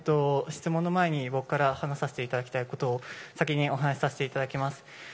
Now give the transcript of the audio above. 質問の前に僕からお話しさせていただきたいことを先にお話しさせていただきます。